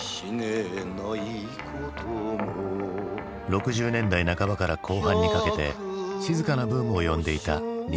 ６０年代半ばから後半にかけて静かなブームを呼んでいた任侠映画。